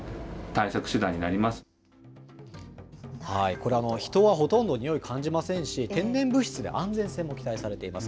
これ、人はほとんどにおい感じませんし、天然物質で安全性も期待されています。